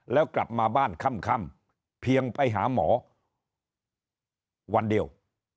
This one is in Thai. แล้วกลับมาบ้านค่ำเพียงไปหาหมอวันเดียว